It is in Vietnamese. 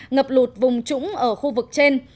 ngập lụt vùng trũng ở khu vực trên